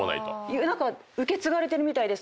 受け継がれてるみたいです。